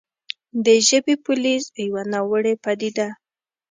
د «ژبې پولیس» يوه ناوړې پديده